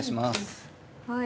はい。